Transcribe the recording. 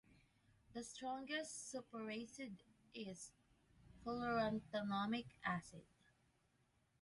The strongest superacid is fluoroantimonic acid.